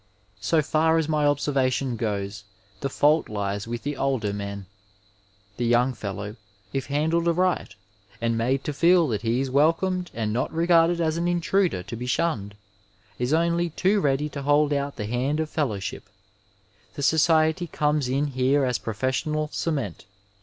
So far as mj observation goes, the fault lies with the older men; The young fellow, if handled aright and made to feel that he is welcomed and not regarded as an intruder to be shunned, is only too ready to hold out the hand of fellowship. The society comes in here as professional cement.